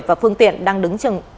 và phương tiện đang đứng chừng